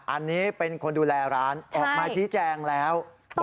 อันนี้เป็นคนดูแลร้านออกมาชี้แจงแล้ว